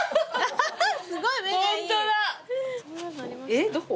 えっどこ？